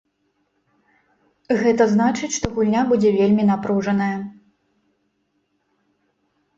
Гэта значыць, што гульня будзе вельмі напружаная.